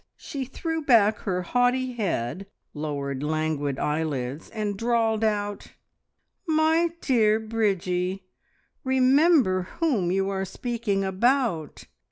She threw back her haughty head, lowered languid eyelids, and drawled out "My dear Bridgie, remember whom you are speaking about!